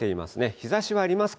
日ざしはありますか？